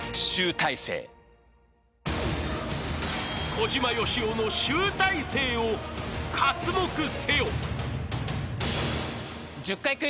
［小島よしおの集大成を刮目せよ］